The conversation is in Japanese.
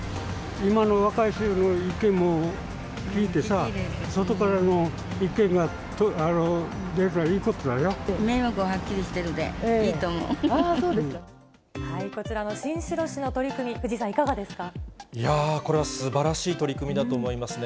今の若い人の意見も聞いてさ、外からの意見が出るのはいいこと名目がはっきりしてるので、こちらの新城市の取り組み、いやー、これはすばらしい取り組みだと思いますね。